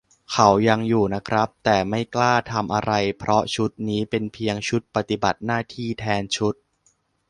เขายังอยู่นะครับ แต่ไม่กล้าทำอะไร เพราะชุดนี้เป็นเพียง ชุดปฏิบัติหน้าที่แทนชุด